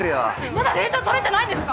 まだ令状取れてないんですか